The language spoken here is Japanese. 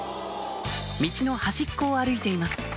道の端っこを歩いています